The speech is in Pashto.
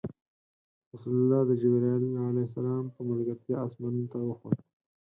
رسول الله د جبرایل ع په ملګرتیا اسمانونو ته وخوت.